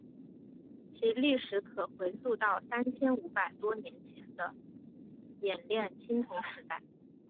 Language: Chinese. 其历史可回溯到三千五百多年前的冶炼青铜时代。